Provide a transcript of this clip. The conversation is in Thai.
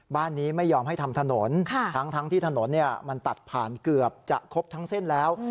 บ้านนี้ไม่ยอมให้ทำถนนทั้งที่ถนนมันตัดผ่านเกือบจะครบทั้งเส้นแล้ว